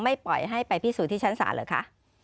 ปล่อยให้ไปพิสูจนที่ชั้นศาลเหรอคะ